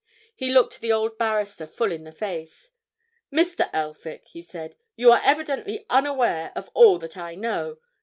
He looked the old barrister full in the face. "Mr. Elphick," he said, "you are evidently unaware of all that I know.